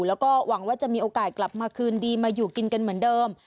แล้วก็หวังว่าจะมีโอกาสกลับมาคืนดีมาอยู่กินกันเหมือนเดิม